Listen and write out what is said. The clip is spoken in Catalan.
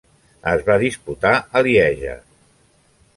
Es va disputar a Lieja.